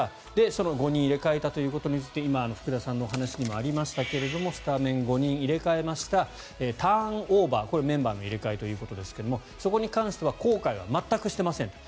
その５人入れ替えたということについて今、福田さんのお話にもありましたがスタメン５人入れ替えましたターンオーバー、これはメンバーの入れ替えということですがそこに関しては後悔は全くしていませんと。